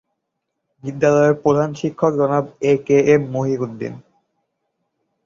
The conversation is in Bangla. বিদ্যালয়ের প্রধান শিক্ষক জনাব এ কে এম মহিউদ্দীন।